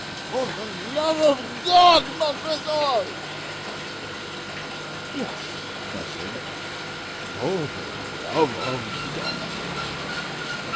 "For the love of God, Montresor!" "Yes," I said, "for the love of God!"